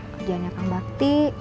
kerjaan kang bakti